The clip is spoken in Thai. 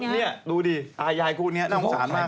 นี่ดูดิอายายคู่นี้น่าสงสารมาก